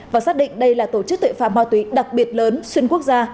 và xác định đây là tổ chức tội phạm ma túy đặc biệt lớn xuyên quốc gia